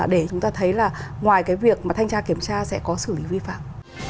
để chúng ta thấy là ngoài cái việc mà thanh tra kiểm tra sẽ có xử lý vi phạm